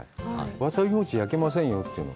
わさび餅、焼けませんよって言うの。